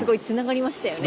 つながりました。